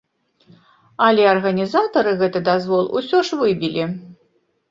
Але арганізатары гэты дазвол усё ж выбілі.